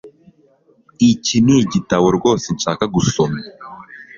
Iki nigitabo rwose nshaka gusoma